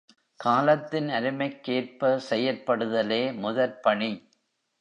காலத்தின் அருமைக்கேற்ப செயற்படுதலே முதற்பணி.